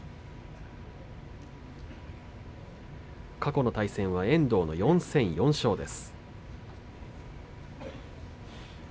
過去の対戦は遠藤の４戦４勝です。